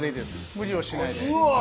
無理をしないで。